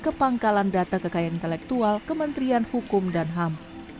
ke pangkalan data kekayaan intelektual kementerian hukum dan ham